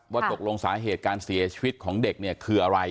ตกลงสาเหตุการเสียชีวิตของเด็กเนี่ยคืออะไร